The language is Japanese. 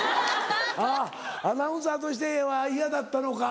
あぁアナウンサーとしては嫌だったのか。